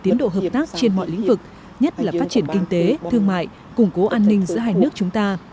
tiến độ hợp tác trên mọi lĩnh vực nhất là phát triển kinh tế thương mại củng cố an ninh giữa hai nước chúng ta